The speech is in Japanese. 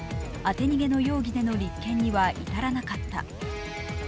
当て逃げの容疑での立件には至らなかった。